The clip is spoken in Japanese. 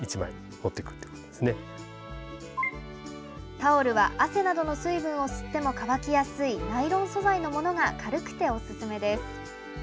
タオルは、汗などの水分を吸っても乾きやすいナイロン素材のものが軽くておすすめです。